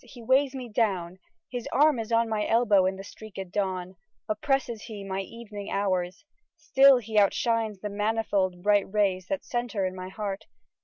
He weighs me down— his arm is on My elbow in the streaked dawn; Oppresses he my evening hours; Still he outshines the manifold Bright rajrs that centre in my heart.